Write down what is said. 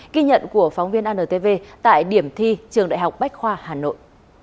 ghi nhận của phóng viên antv tại điểm thi trường đại học bách khoa hà nội